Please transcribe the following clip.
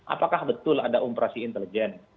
apakah betul ada operasi intelijen